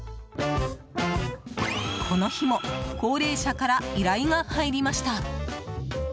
この日も高齢者から依頼が入りました。